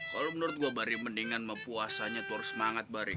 kalau menurut gue baring mendingan puasanya tuh harus semangat bari